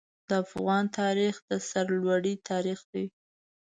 د افغان تاریخ د سرلوړۍ تاریخ دی.